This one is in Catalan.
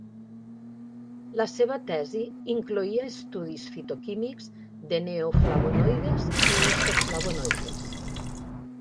La seva tesi incloïa estudis fitoquímics de neoflavonoides i isoflavonoides.